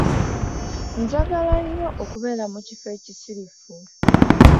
Njagala nnyo okubera mu kifo ekisirifu.